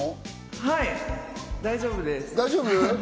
はい、大丈夫です。